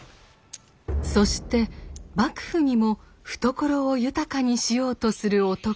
そして幕府にも懐を豊かにしようとする男が。